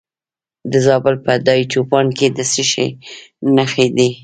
د زابل په دایچوپان کې د څه شي نښې دي؟